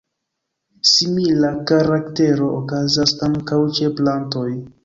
Simila karaktero okazas ankaŭ ĉe plantoj.